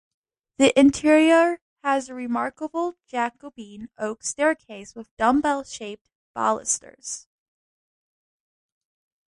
The interior has a remarkable Jacobean oak staircase with dumbbell-shaped balusters.